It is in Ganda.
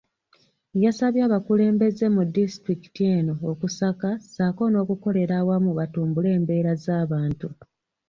Yasabye abakulembeze mu disitulikiti eno okusaka ssaako n’okukolera awamu batumbule embeera z’abantu .